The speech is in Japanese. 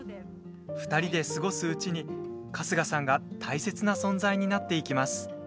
２人で過ごすうちに春日さんが大切な存在になっていきます。